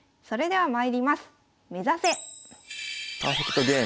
はい。